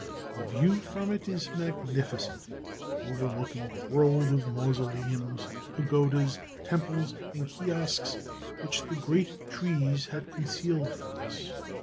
The view from it is magnificent, overlooking a world of mausoleums, pagodas, temples, and kiosks, which the great trees had concealed from us.